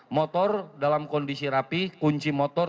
motor dalam kondisi rapi kunci motor